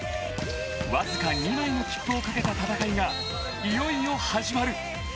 わずか２枚の切符をかけた戦いがいよいよ始まる。